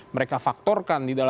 mereka faktor kejadian